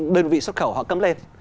đơn vị xuất khẩu họ cấm lên